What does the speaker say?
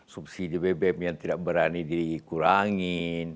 subsidi bbm yang tidak berani dikurangin